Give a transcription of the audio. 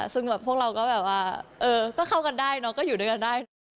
ซึ่งแบบพวกเราก็แบบว่าเออไปเข้ากันได้ก็อยู่กันได้